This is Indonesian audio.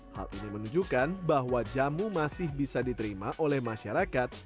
hal ini menunjukkan bahwa jamu masih bisa diterima oleh masyarakat